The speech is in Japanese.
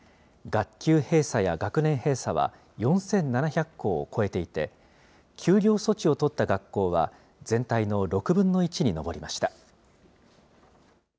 学級閉鎖や学年閉鎖は４７００校を超えていて、休業措置を取った学校は、全体の６分の１に上りました。